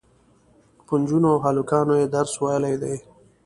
په نجونو او هلکانو یې درس ویلی دی.